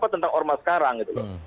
tentang ormas sekarang